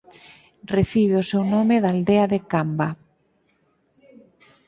Recibe o seu nome da aldea de Camba.